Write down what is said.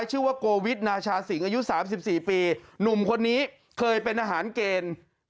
ชื่อว่าโกวิทนาชาสิงอายุ๓๔ปีหนุ่มคนนี้เคยเป็นอาหารเกณฑ์